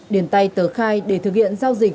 điền tay tờ khai để thực hiện giao dịch